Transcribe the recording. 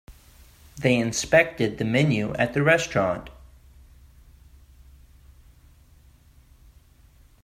They inspected the menu at the restaurant.